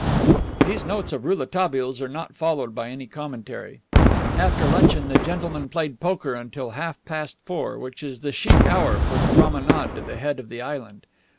These notes of Rouletabille's are not followed by any commentary. After luncheon the gentlemen played poker until half past four, which is the "chic" hour for the promenade to the head of the island.